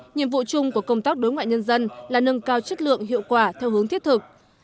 nhiệm vụ chung của công tác đối ngoại nhân dân là nâng cao chất lượng hiệu quả theo hướng thiết thực